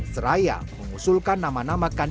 seraya mengusulkan nama nam heavenly